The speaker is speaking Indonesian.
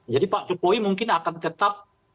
jadi pak jokowi mungkin akan tetap